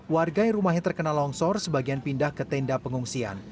warga yang rumahnya terkena longsor sebagian pindah ke tenda pengungsian